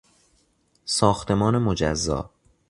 ساختمان مجزا